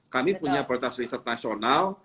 kami punya prioritas riset nasional